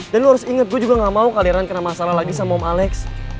dan lo harus inget gue juga gak mau kali ran kena masalah lagi sama om alex